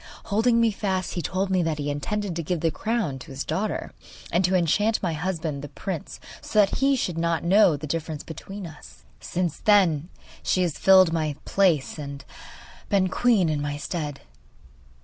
Holding me fast, he told me that he intended to give the crown to his daughter, and to enchant my husband the prince, so that he should not know the difference between us. Since then she has filled my place and been queen in my stead.